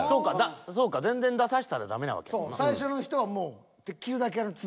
そうか全然出さしたらダメなわけやもんな。